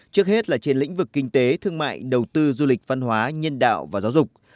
trước hết là trên lĩnh vực kinh tế thương mại đầu tư du lịch văn hóa nhân đạo và giáo dục